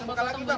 buka lagi pak